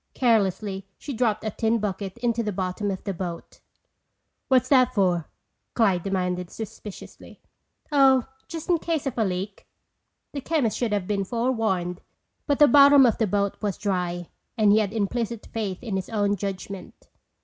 Carelessly, she dropped a tin bucket into the bottom of the boat. "What's that for?" Clyde demanded suspiciously. "Oh, just in case of a leak." The chemist should have been forewarned but the bottom of the boat was dry and he had implicit faith in his own judgment.